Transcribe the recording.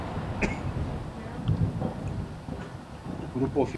De adolescente, disfrutaba con historias clásicas de terror y fantasía.